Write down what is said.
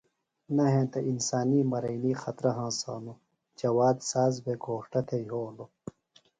نہ ہینتہ انسانی مرئینی خطرہ ہنسانوۡ۔ جواد ساز بھےۡ گھوݜٹہ تھےۡ یھولوۡ۔